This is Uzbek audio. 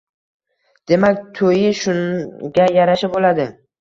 Demak, to`yi shunga yarasha bo`ladi